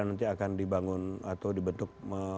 nanti akan dibangun atau dibentuk